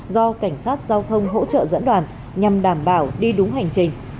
do cảnh sát giao thông hỗ trợ dẫn đoàn nhằm đảm bảo đi đúng hành trình